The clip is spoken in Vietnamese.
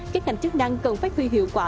các ngành chức năng cần phát huy hiệu quả